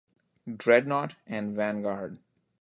"Dreadnought" and "Vanguard".